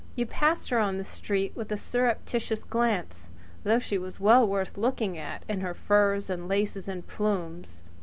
You passed her on the street with a surreptitious glance, though she was well worth looking at in her furs and laces and plumes.